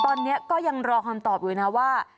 ตอนนี้ก็ยังรอคำตอบอยู่นะว่า